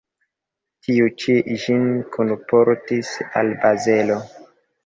Tiu ĉi ĝin kunportis al Bazelo.